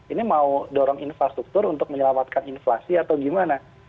ini mau dorong infrastruktur untuk menyelamatkan inflasi atau gimana